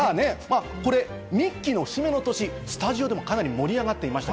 ミッキーの節目の年、スタジオでもかなり盛り上がっていました。